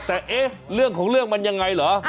แต่เอ๊ะเรื่องของเรื่องมันยังไงเหรอ